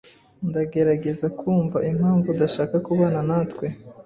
Ndagerageza kumva impamvu udashaka kubana natwe.